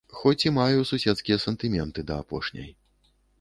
Хоць і маю суседскія сантыменты да апошняй.